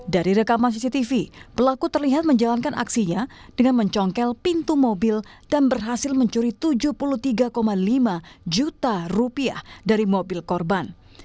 dari rekaman cctv pelaku terlihat menjalankan aksinya dengan mencongkel pintu mobil dan berhasil mencuri tujuh puluh tiga lima juta rupiah dari mobil korban